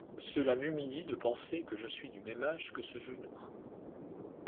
Cela m’humilie de penser que je suis du même âge que ce genou.